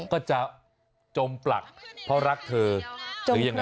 ก็จะจมปลักเพราะรักเธอหรือยังไง